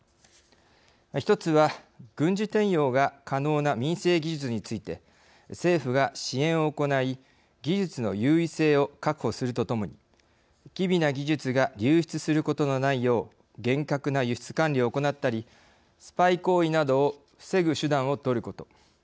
一つは、軍事転用が可能な民生技術について政府が支援を行い技術の優位性を確保するとともに機微な技術が流出することのないよう厳格な輸出管理を行ったりスパイ行為などを防ぐ手段をとること。